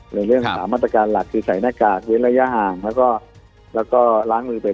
หรือเรื่องสามารถการหลักคือใส่หน้ากากเวลาย่าห่างแล้วก็ล้างมือบ่อย